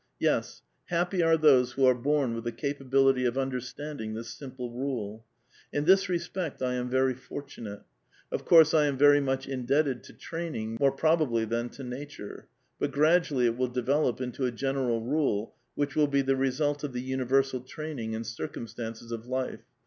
Yes, happy are those who are born with the capability of understanding this simple rule. In this respect, I am very fortunate. Of course I am very much indebted to training, more probably than to nature. But gradually it will develop into a general rule, which will be the result of the universal training and circumstances of life.